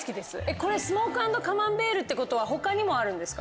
これスモーク＆カマンベールってことは他にもあるんですか？